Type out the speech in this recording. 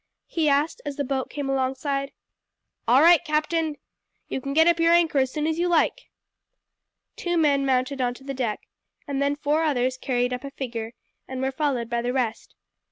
he asked as the boat came alongside. "All right, captain! You can get up your anchor as soon as you like." Two men mounted on to the deck, and then four others carried up a figure and were followed by the rest.